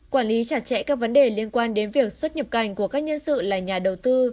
quản lý chặt chẽ các vấn đề liên quan đến việc xuất nhập cảnh của các nhân sự là nhà đầu tư